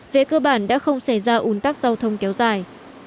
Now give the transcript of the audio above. vệ cơ bản đã không xảy ra un tắc giao thông kéo dài